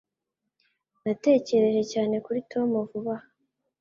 Natekereje cyane kuri Tom vuba aha.